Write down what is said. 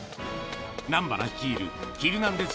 南原率いるヒルナンデス！